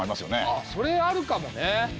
あっそれあるかもね。